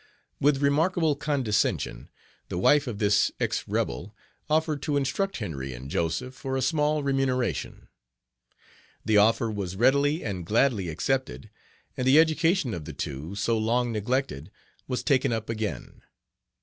With remarkable condescension the wife of this ex rebel offered to instruct Henry and Joseph for a small remuneration. The Offer was readily and gladly accepted, and the education of the two, so long neglected, was taken up again.